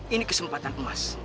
ini kesempatan emas